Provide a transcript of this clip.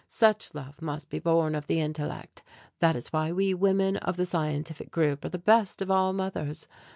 Such love must be born of the intellect; that is why we women of the scientific group are the best of all mothers.